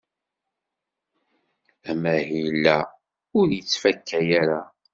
Amahil-a ur yettfaka ara.